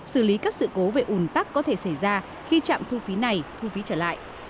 xử lý các sự cố về ủn tắc có thể xảy ra khi trạm thu phí này thu phí trở lại